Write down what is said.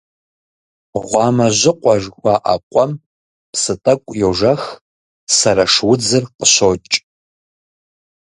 «Гъуамэжьыкъуэ» жыхуаӀэ къуэм псы тӀэкӀу йожэх, сэрэш удзыр къыщокӀ.